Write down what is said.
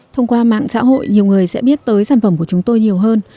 thông qua mạng xã hội nhiều người sẽ biết tới sản phẩm của chúng tôi nhiều hơn